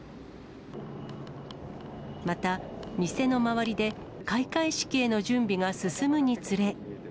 また、店の周りで開会式への準備が進むにつれ。